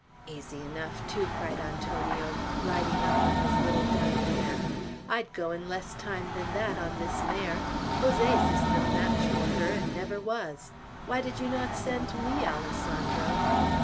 "Easy enough, too!" cried Antonio, riding up on his little dun mare. "I'd go in less time than that, on this mare. Jose's is no match for her, and never was. Why did you not send me, Alessandro?"